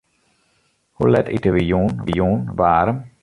Hoe let ite wy jûn waarm?